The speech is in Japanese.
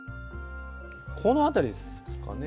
このあたりですかね。